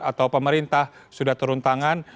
atau pemerintah sudah turun tangan